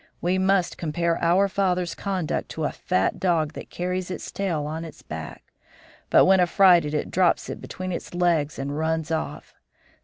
We must compare our father's conduct to a fat dog that carries its tail on its back, but when affrighted it drops it between its legs and runs off.